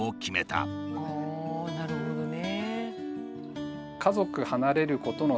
なるほどね。